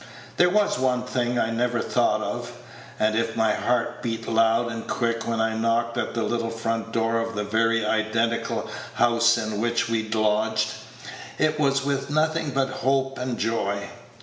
There was one thing I never thought of; and if my heart beat loud and quick when I knocked at the little front door of the very identical house in which we'd lodged, it was with nothing but hope and joy.